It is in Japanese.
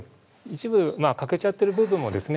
一部まあ欠けちゃってる部分もですね